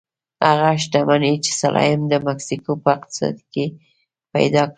هغه شتمني چې سلایم د مکسیکو په اقتصاد کې پیدا کړه.